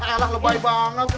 ya allah lo baik banget